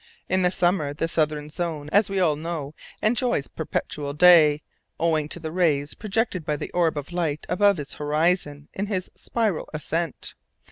In the summer, the southern zone, as we all know, enjoys perpetual day, owing to the rays projected by the orb of light above its horizon in his spiral ascent.